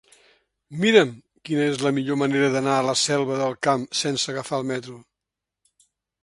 Mira'm quina és la millor manera d'anar a la Selva del Camp sense agafar el metro.